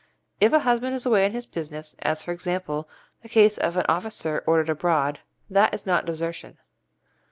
If a husband is away on his business, as, for example, the case of an officer ordered abroad, that is not desertion.